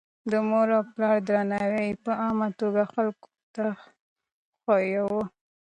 د مور او پلار درناوی يې په عامه توګه خلکو ته ښووه.